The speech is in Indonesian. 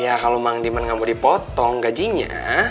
ya kalau mang diman nggak mau dipotong gajinya